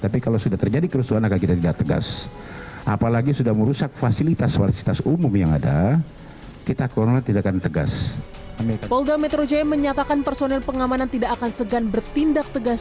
polda metro jaya menyatakan personil pengamanan tidak akan segan bertindak tegas